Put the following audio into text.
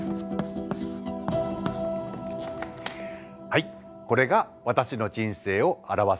はいこれが私の人生を表す式です。